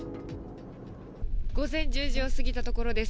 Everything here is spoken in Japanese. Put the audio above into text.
午前１０時を過ぎたところです。